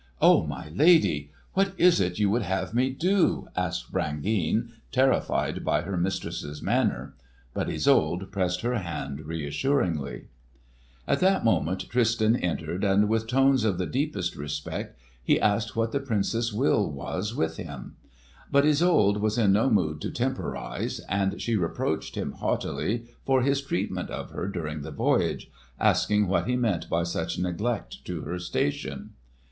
"Oh, my lady! What is it you would have me do?" asked Brangeane, terrified by her mistress's manner. But Isolde pressed her hand reassuringly. At that moment Tristan entered, and with tones of the deepest respect he asked what the Princess's will was with him. But Isolde was in no mood to temporise, and she reproached him haughtily for his treatment of her during the voyage, asking what he meant by such neglect to her station.